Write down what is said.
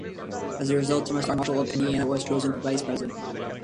As a result, Thomas R. Marshall of Indiana was chosen for Vice-President.